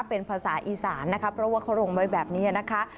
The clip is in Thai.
เป็นภาษาอีสานนะคะเพราะว่าเขาลงไว้แบบนี้นะคะ